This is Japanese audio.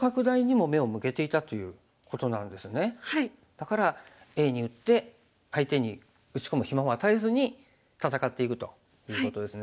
だからＡに打って相手に打ち込む暇を与えずに戦っていくということですね。